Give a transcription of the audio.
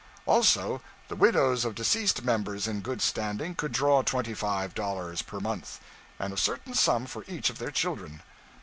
Also, the widows of deceased members in good standing could draw twenty five dollars per month, and a certain sum for each of their children.